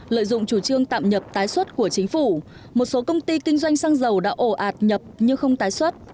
lợi dụng chủ trương tạm nhập tái xuất của chính phủ một số công ty kinh doanh xăng dầu đã ổ ạt nhập nhưng không tái xuất